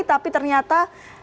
tapi ternyata satu